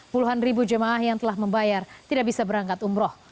puluhan ribu jemaah yang telah membayar tidak bisa berangkat umroh